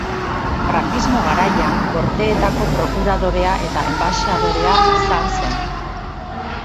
Frankismo garaian, Gorteetako prokuradorea eta enbaxadorea izan zen.